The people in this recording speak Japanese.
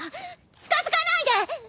近づかないで！